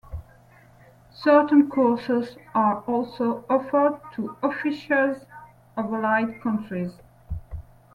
Certain courses are also offered to officers of allied countries.